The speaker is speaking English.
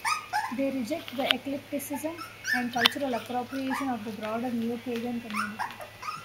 They reject the eclecticism and cultural appropriation of the broader Neopagan community.